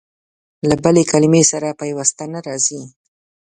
له بلې کلمې سره پيوسته نه راځي.